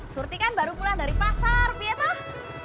surti kan baru pulang dari pasar piet ah